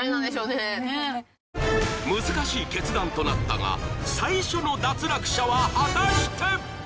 ［難しい決断となったが最初の脱落者は果たして？］